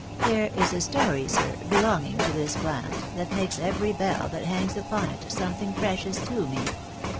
There is a story, sir, belonging to this plant, that makes every bell that hangs upon it something precious to me."